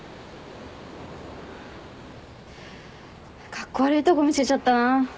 カッコ悪いとこ見せちゃったな。